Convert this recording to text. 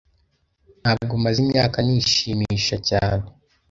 Ntabwo maze imyaka nishimisha cyane.